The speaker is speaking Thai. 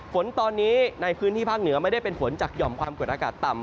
ฝนตอนนี้ในพื้นที่ภาคเหนือไม่ได้เป็นฝนจากหย่อมความกดอากาศต่ำ